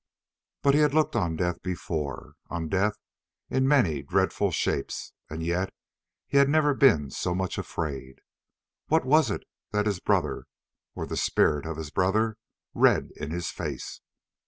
But he had looked on death before, on death in many dreadful shapes, and yet he had never been so much afraid. What was it that his brother, or the spirit of his brother, read in his face?